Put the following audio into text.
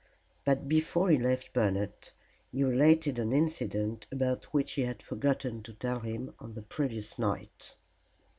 But before he left Bernard he related an incident about which he had forgotten to tell him on the previous night.